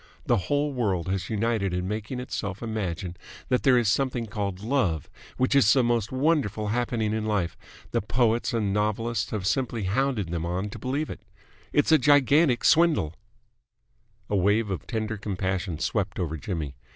The whole world has united in making itself imagine that there is something called love which is the most wonderful happening in life. The poets and novelists have simply hounded them on to believe it. It's a gigantic swindle." A wave of tender compassion swept over Jimmy.